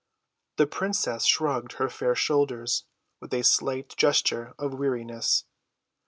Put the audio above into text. The princess shrugged her fair shoulders with a slight gesture of weariness.